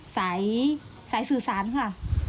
สายสื่อสารค่ะ